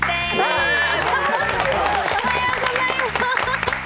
おはようございます！